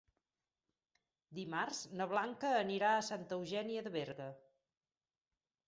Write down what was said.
Dimarts na Blanca anirà a Santa Eugènia de Berga.